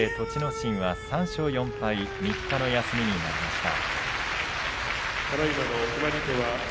心は３勝４敗３日の休みになりました。